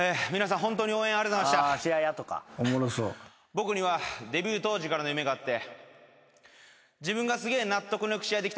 僕にはデビュー当時からの夢があって。